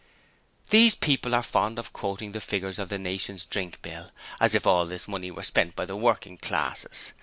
These people are fond of quoting the figures of the 'Nation's Drink Bill,' as if all this money were spent by the working classes!